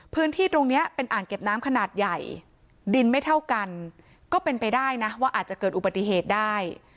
พื้นที่ตรงนี้เป็นอ่างเก็บน้ำขนาดใหญ่ดินไม่เท่ากันก็เป็นไปได้นะว่าอาจจะเกิดอุบัติเหตุได้